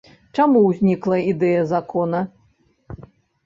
Чаму ўзнікла ідэя закона?